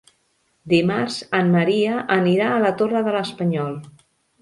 Dimarts en Maria anirà a la Torre de l'Espanyol.